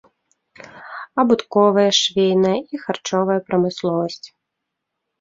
Абутковая, швейная і харчовая прамысловасць.